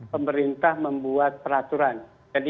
pemerintah membuat peraturan jadi jangan pakai